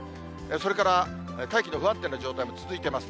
それから大気の不安定な状態も続いてます。